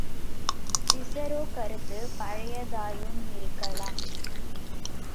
Cicero கருத்து பழையதாயுமிருக்கலாம்.